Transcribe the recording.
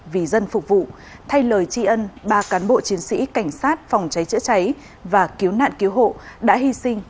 vì dân phục vụ thay lời tri ân ba cán bộ chiến sĩ cảnh sát phòng cháy chữa cháy và cứu nạn cứu hộ đã hy sinh